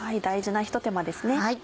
大事なひと手間ですね。